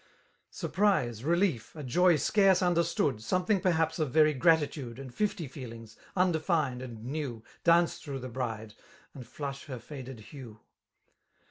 Surprise, relief, a joy scarce understood. Something perhaps of very gratitude. And fifty feelings, undefin'd and new. Dance through thfe bride, and flush her faded hue.